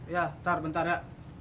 ya bentar bentar ya